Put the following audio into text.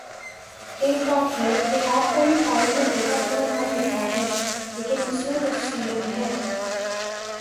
ایک بات ہے کہ آپ والی فائل میں ڈیٹا تھوڑا لکھا ہے لیکن اس میں تفصیلاً ہے